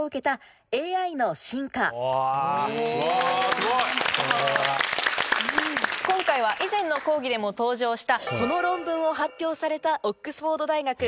すごい！今回は以前の講義でも登場したこの論文を発表された。